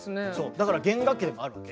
だから弦楽器でもあるわけ。